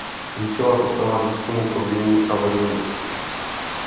Klíčová postava výzkumu proudění a vlnění.